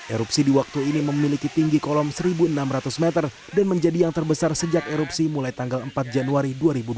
erupsi di waktu ini memiliki tinggi kolom seribu enam ratus meter dan menjadi yang terbesar sejak erupsi mulai tanggal empat januari dua ribu dua puluh